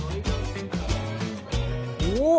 おっ！